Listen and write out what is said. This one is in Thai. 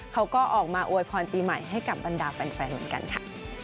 เขาก็ออกมาอวยพรปีใหม่ให้กับบรรดาแฟนเหมือนกันค่ะ